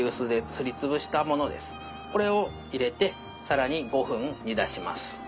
これを入れて更に５分煮出します。